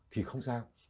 thì không sao